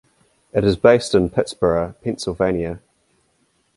It is based in Pittsburgh, Pennsylvania.